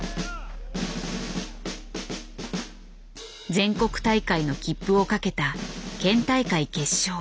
全国大会の切符をかけた県大会決勝。